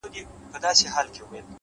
خپل قوتونه هره ورځ وده ورکړئ؛